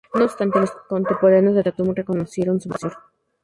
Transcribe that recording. No obstante, los contemporáneos de Tatum reconocieron su valor.